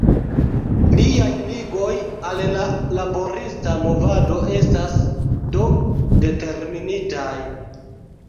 Liaj ligoj al la laborista movado estas, do, determinitaj.